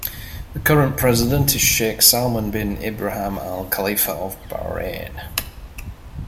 The current president is Sheikh Salman Bin Ibrahim Al-Khalifa of Bahrain.